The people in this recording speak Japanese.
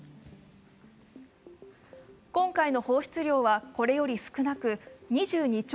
今回の放出量は、これより少なく２２兆